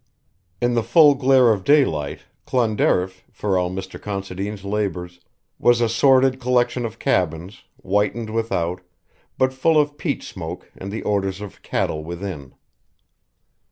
In the full glare of daylight Clonderriff, for all Mr. Considine's labours, was a sordid collection of cabins, whitened without, but full of peat smoke and the odours of cattle within.